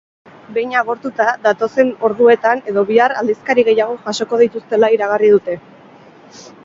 Behin agortuta, datozen orduetan edo bihar aldizkari gehiago jasoko dituztela iragarri dute.